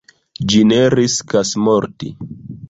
Ĝi ne riskas morti.